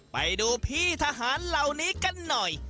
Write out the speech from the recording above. ไปดูพี่ทหารเหล่านี้กันหน่อย